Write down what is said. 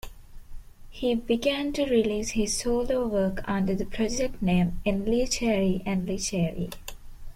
He began to release his solo work under the project name Endlicheri-Endlicheri.